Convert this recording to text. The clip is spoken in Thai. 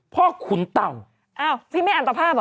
พี่ไม่อันตภาพเหรอ